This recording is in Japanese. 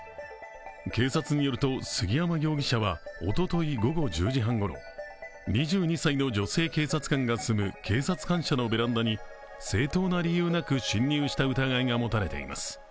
警察によると杉山容疑者はおととい午後１０時ごろ２２歳の女性警察官が住む警察官舎のベランダに正当な理由なく侵入した疑いが持たれています。